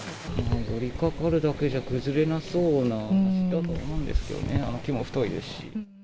寄りかかるだけじゃ崩れなさそうな橋だと思うんですけどね、あの木も太いですし。